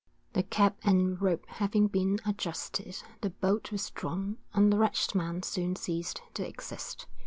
The cap and rope having been adjusted, the bolt was drawn, and the wretched man soon ceased to exist.